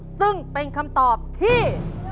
ซึ่งเป็นคำตอบที่